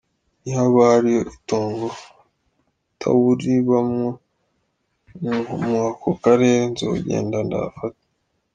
Nihaba hariho itongo atawuribamwo mu ako karere, nzogenda ndahafate.